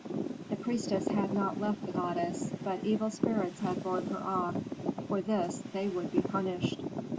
The priestess had not left the goddess, but evil spirits had borne her off; for this they would be punished.